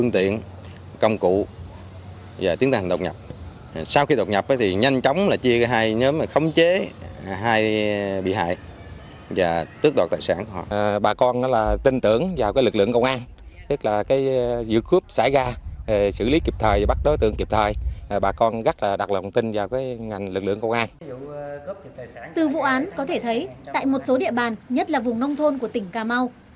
từ vụ án có thể thấy tại một số địa bàn nhất là vùng nông thôn của tỉnh cà mau